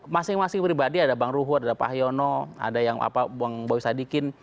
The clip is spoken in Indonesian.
masing masing pribadi ada bang ruhut ada pak hayono ada yang apa bang boy sadikin